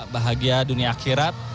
bahagia dunia akhirat